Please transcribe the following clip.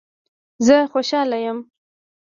زه خوشحال یم